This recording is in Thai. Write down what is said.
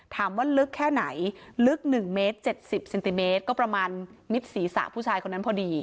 ถามว่าลึกแค่ไหนลึกหนึ่งเมตรเจ็ดสิบเซนติเมตรก็ประมาณมิตรสี่สามผู้ชายคนนั้นพอดี